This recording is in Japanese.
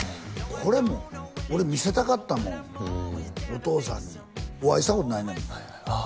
これも俺見せたかったもんお父さんにお会いしたことないねんもんああ